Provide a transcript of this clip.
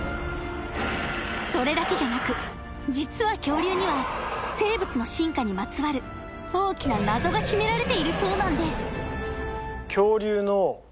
それだけじゃなく実は恐竜には生物の進化にまつわる大きな謎が秘められているそうなんです